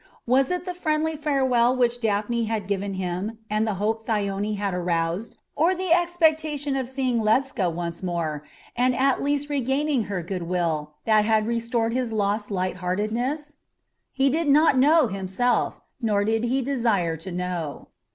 was it the friendly farewell which Daphne had given him, and the hope Thyone had aroused, or the expectation of seeing Ledscha once more, and at least regaining her good will, that had restored his lost light heartedness? He did not know himself, nor did he desire to know.